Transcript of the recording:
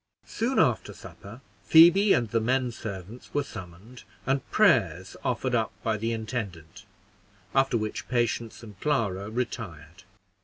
Soon after supper, Phoebe and the men servants were summoned, and prayers offered up by the intendant, after which Patience and Clara retired.